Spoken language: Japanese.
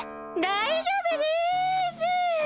⁉大丈夫です！